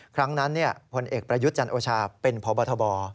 ครั้งนั้นพลเอกประยุทธ์จันโอชาเป็นพบทบ